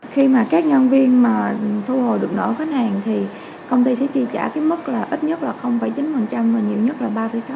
khi mà các nhân viên mà thu hồi được nợ khách hàng thì công ty sẽ chi trả cái mức là ít nhất là chín và nhiều nhất là ba sáu